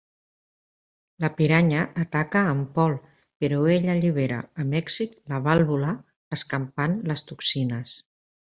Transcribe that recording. La piranya ataca a en Paul però ell allibera amb èxit la vàlvula, escampant les toxines.